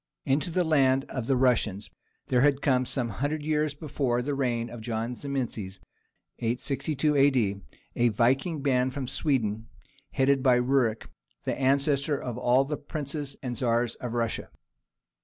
Into the land of the Russians there had come some hundred years before the reign of John Zimisces [862 A.D.], a Viking band from Sweden, headed by Rurik, the ancestor of all the princes and Tzars of Russia.